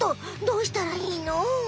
どうしたらいいの？